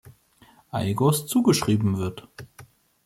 Aigos zugeschrieben wird.